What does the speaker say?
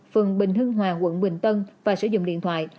phường bình hưng hòa quận bình tân và sử dụng điện thoại